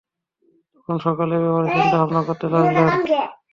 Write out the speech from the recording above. তখন সকলে এ ব্যাপারে চিন্তা-ভাবনা করতে লাগলেন।